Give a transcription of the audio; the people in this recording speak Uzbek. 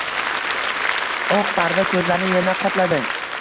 Oq parda ko‘zlarni yana qopladi.